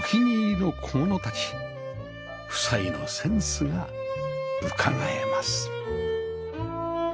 夫妻のセンスがうかがえます